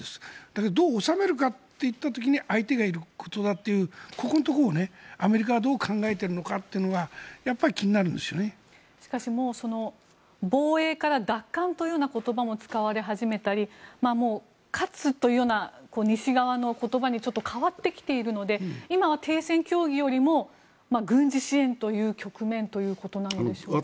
だけどどう収めるかという時に相手がいることだというここのところをアメリカはどう考えているのかというところがしかしもう防衛から奪還というような言葉も使われ始めたりもう勝つというような西側の言葉に変わってきているので今は停戦協議よりも軍事支援という局面ということなのでしょうか。